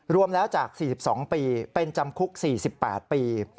รวมแล้วจาก๔๒ปีเป็นจำคุก๔๘ปี